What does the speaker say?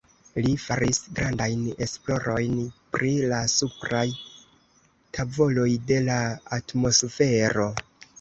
Li faris grandajn esplorojn pri la supraj tavoloj de la atmosfero.